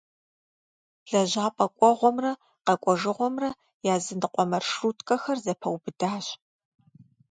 Лэжьапӏэ кӏуэгъуэмрэ къэкӏуэжыгъуэмрэ языныкъуэ маршруткэхэр зэпэубыдащ.